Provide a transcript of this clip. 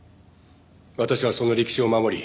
私はその歴史を守り